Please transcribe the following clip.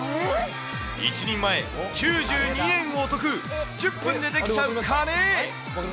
１人前９２円お得、１０分で出来ちゃうカレー。